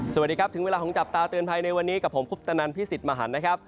สวัสดีครับถึงเวลาของจับตาเตือนภัยในวันนี้กับผมคุปตนันพี่สิทธิ์มหันนะครับ